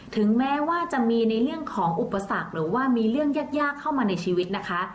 ถึงแม้ว่าจะมีในเรื่องของอุปสรรคหรือว่ามีเรื่องยากเข้ามาในชีวิตนะคะ